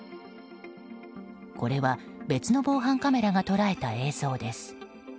これは別の防犯カメラが捉えた映像です。